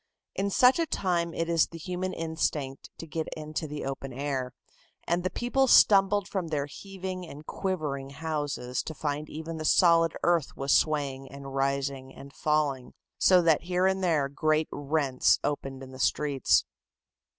In such a time it is the human instinct to get into the open air, and the people stumbled from their heaving and quivering houses to find even the solid earth was swaying and rising and falling, so that here and there great rents opened in the streets.